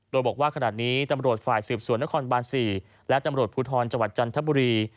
โดยบอกว่าขณะนี้ตำรวจฝ่ายสืบสวนนครบาน๔และตำรวจภูทรจังหวัดจันทบุรี